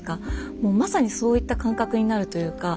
もうまさにそういった感覚になるというか。